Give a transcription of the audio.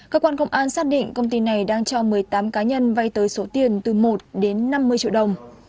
cơ quan công an xác định công ty này đang cho một mươi tám cá nhân vay tới số tiền từ một đến năm mươi triệu đồng